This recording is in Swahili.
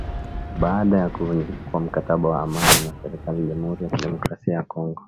Baada ya kuvunjika kwa mkataba wa amani na serikali Jamuhuri ya kidemokrasia ya Kongo